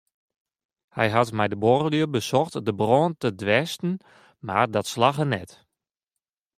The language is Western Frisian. Hy hat mei de buorlju besocht de brân te dwêsten mar dat slagge net.